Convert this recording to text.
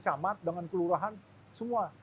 camat dengan kelurahan semua